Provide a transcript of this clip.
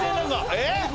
えっ。